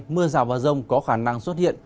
mưa rào vào rông có khả năng xuất hiện